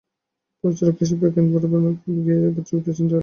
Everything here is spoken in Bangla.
পরিচালক হিসেবে কেনেথ ব্র্যানাগ সরে গিয়ে এবার যোগ দিয়েছেন অ্যালান টেইলর।